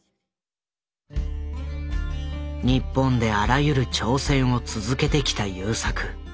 日本であらゆる挑戦を続けてきた優作。